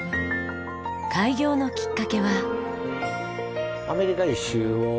開業のきっかけは？